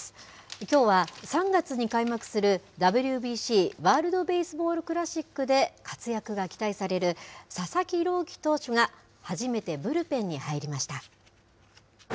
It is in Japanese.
きょうは３月に開幕するＷＢＣ・ワールドベースボールクラシックで活躍が期待される、佐々木朗希投手が初めてブルペンに入りました。